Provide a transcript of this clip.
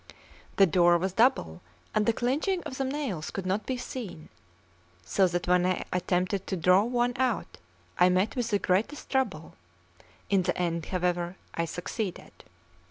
The door was double, and the clinching of the nails could not be seen; so that when I attempted to draw one out, I met with the greatest trouble; in the end, however, I succeeded.